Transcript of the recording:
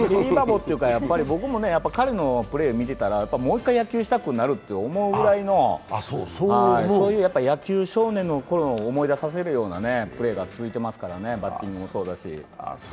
彼をみていたらもう一回野球したくなると思うぐらいの野球少年のころを思い出させるようなプレーが続いていますからね、バッティングもそうだし。